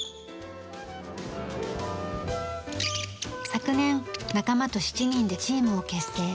昨年仲間と７人でチームを結成。